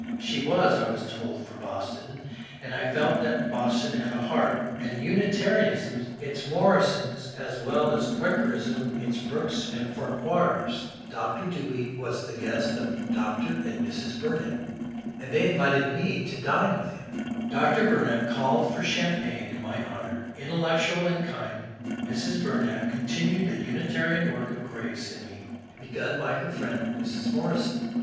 She was, I was told, from Boston, and I felt that Boston had a heart, and Unitarianism its Morrisons as well as Quakerism its Brookes and Farquhars. Dr. Dewey was the guest of Dr. and Mrs. Bumap, and they invited me to dine with him. Dr. Bumap called for champagne in my honour. Intellectual and kind Mrs. Bur nap continued the Unitarian work of grace in me begun by her friend Mrs. Morrison.